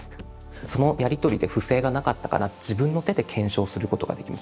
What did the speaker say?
そのやり取りで不正がなかったかな自分の手で検証することができます。